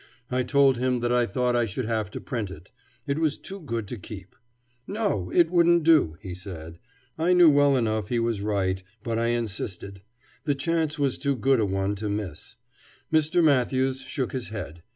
I told him that I thought I should have to print it; it was too good to keep. No, it wouldn't do, he said. I knew well enough he was right, but I insisted; the chance was too good a one to miss. Mr. Matthews shook his head.